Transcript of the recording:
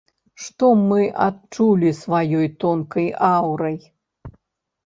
Што мы адчулі сваёй тонкай аўрай.